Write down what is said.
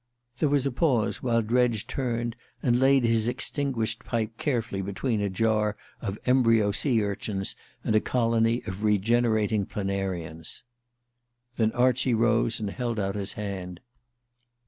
There was a pause while Dredge turned and laid his extinguished pipe carefully between a jar of embryo sea urchins and a colony of regenerating planarians. Then Archie rose and held out his hand.